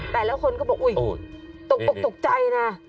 แต่ละคนก็บอกอุ๊ยตกออกตกใจนะ